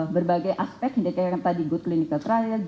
berbagai aspek seperti tadi good clinical trial